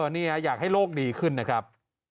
นี่อยากให้โลกดีขึ้นนะครับ